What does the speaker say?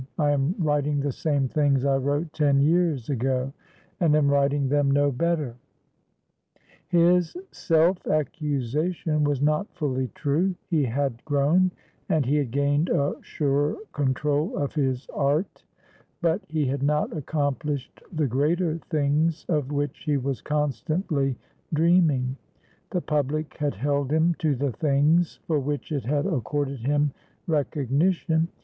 I am writing the same things I wrote ten years ago, and am writing them no better." His self accusation was not fully true; he had grown, and he had gained a surer control of his art, but he had not accomplished the greater things of which he was constantly dreaming; the public had held him to the things for which it had accorded him recognition.